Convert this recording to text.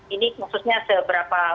ini khususnya seberapa